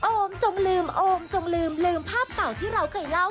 โอมจงลืมโอมจงลืมลืมภาพเก่าที่เราเคยเล่า